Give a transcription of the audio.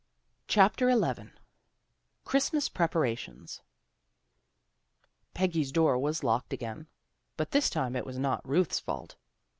CHAPTER XI CHRISTMAS PREPARATIONS PEGGY'S door was locked again, but this time it was not Ruth's fault.